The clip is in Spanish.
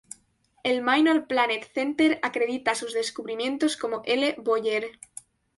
El Minor Planet Center acredita sus descubrimientos como L. Boyer.